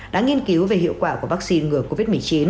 đã nghiên cứu về hiệu quả của vaccine ngừa covid một mươi chín